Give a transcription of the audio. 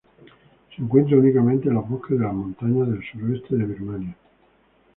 Se encuentra únicamente en los bosques de las montañas del suroeste de Birmania.